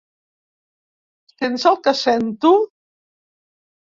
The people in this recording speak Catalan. Sents el que sento?